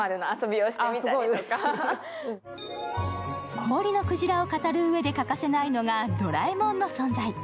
「凍りのくじら」を語るうえで欠かせないのがドラえもんの存在。